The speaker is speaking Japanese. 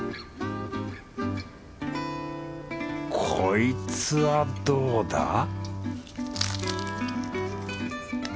こいつはどうだ？